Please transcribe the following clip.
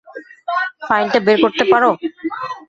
ফাইলটা বের করতে পারো?